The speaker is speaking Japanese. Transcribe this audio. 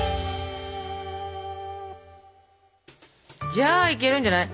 じゃあいけるんじゃない？